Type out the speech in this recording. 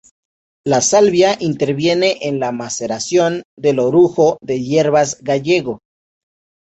La salvia interviene en la maceración del Orujo de hierbas gallego.